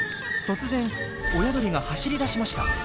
突然親鳥が走りだしました。